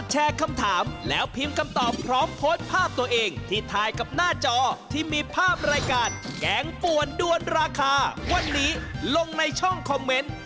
หม่วนด้วนราคาวันนี้ลงในช่องคอมเมนต์